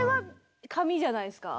じゃないですか？